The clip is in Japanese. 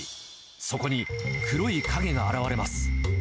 そこに黒い影が現れます。